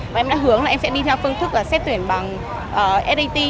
và em đã hướng là em sẽ đi theo phương thức là xét tuyển bằng sat